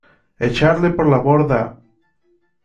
¡ Echadle por la borda!